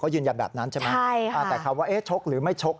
เขายืนยันแบบนั้นใช่ไหมแต่คำว่าชกหรือไม่ชก